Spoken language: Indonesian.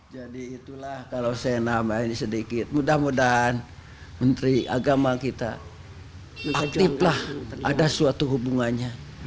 jadi itulah kalau saya namain sedikit mudah mudahan menteri agama kita aktiflah ada suatu hubungannya